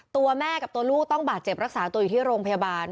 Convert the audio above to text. ตัวแม่กับตัวลูกต้องบาดเจ็บรักษาตัวอยู่ที่โรงพยาบาล